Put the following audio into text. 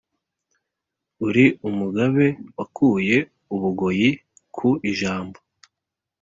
uri umugabe wakuye u bugoyi ku ijabo.